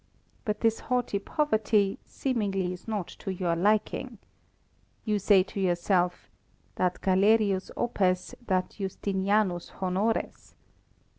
But this haughty poverty seemingly is not to your liking. You say to yourself, '_Dat Galerius opes, dat Justinianus honores.